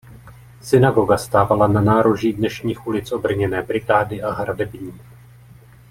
Synagoga stávala na nároží dnešních ulic Obrněné brigády a Hradební.